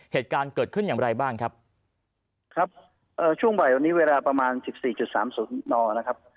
เหตุการณ์เกิดขึ้นอย่างไรบ้างครับครับเอ่อช่วงบ่ายวันนี้เวลาประมาณสิบสี่จุดสามศูนย์นนะครับ